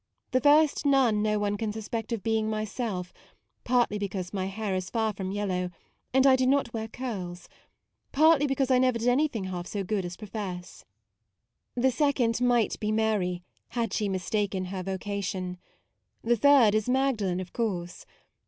The first Nun no one can suspect of being myself, partly because my hair is far from yellow and I do not wear curls, partly because I never did any thing half so good as profess. The second might be Mary, had she mistaken her vocation. The third is Magdalen, of course.